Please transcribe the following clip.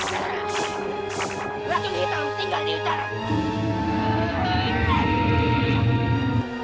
kau telah melakukan banyak hal yang tidak berhasil